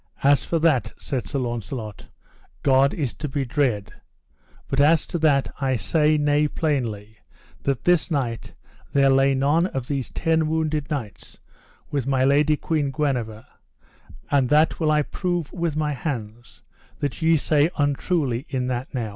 As for that, said Sir Launcelot, God is to be dread; but as to that I say nay plainly, that this night there lay none of these ten wounded knights with my lady Queen Guenever, and that will I prove with my hands, that ye say untruly in that now.